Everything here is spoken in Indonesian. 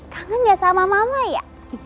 kangen ya sama mama ya